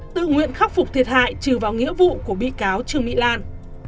tự nguyện khắc phục thiệt hại trừ vào nghĩa vụ của bị cáo trương mỹ lan